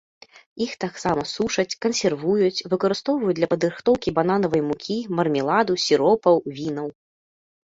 Іх таксама сушаць, кансервуюць, выкарыстоўваюць для падрыхтоўкі бананавай мукі, мармеладу, сіропаў, вінаў.